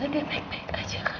yasa dia baik baik aja kan